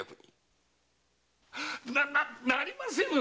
なりませぬ！